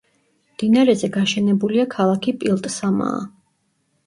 მდინარეზე გაშენებულია ქალაქი პილტსამაა.